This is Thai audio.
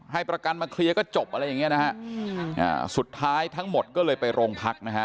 ให้ประกันมาเคลียร์ก็จบอะไรอย่างเงี้นะฮะสุดท้ายทั้งหมดก็เลยไปโรงพักนะฮะ